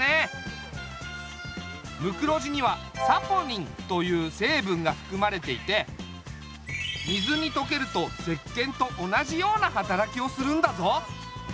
ムクロジにはサポニンというせいぶんがふくまれていて水にとけると石けんと同じような働きをするんだぞ。